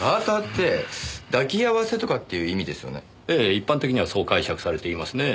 一般的にはそう解釈されていますねぇ。